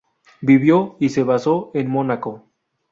Vivió y se basó en Mónaco.